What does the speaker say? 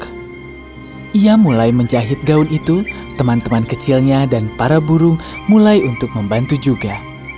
ia mulai menjahit gaun itu teman teman kecilnya dan para burung mulai untuk membantu juga